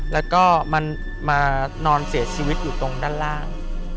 แล้วก็มันมานอนเสียชีวิตอยู่ตรงด้านล่าง